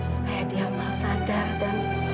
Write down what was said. supaya dia mau sadar dan